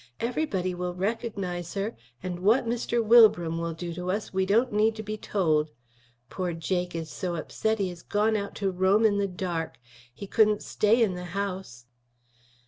"Everybody will recognize her; and what Mr. Wilbram will do to us we don't need to be told. Poor Jake is so upset he has gone out to roam in the dark. He couldn't stay in the house."